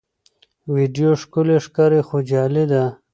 ویډیو ښکلي ښکاري خو جعلي ده.